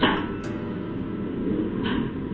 สวัสดีครับ